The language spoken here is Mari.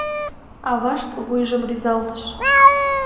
Авашт вуйжым рӱзалтыш.